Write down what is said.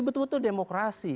jadi betul betul demokrasi